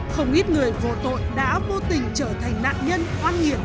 không ít người vô tội đã vô tình trở thành nạn nhân oan nghiệp